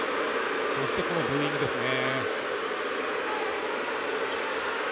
そしてこのブーイングですね。